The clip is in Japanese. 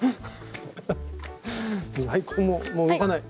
ここももう動かない。